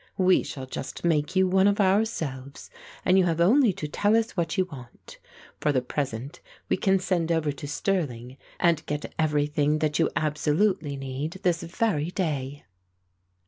"We shall just make you one of ourselves and you have only to tell us what you want. For the present we can send over to Stirling and get everything that you absolutely need this very day."